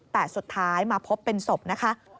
แต่สุดท้ายมาพบเป็นศพนะคะ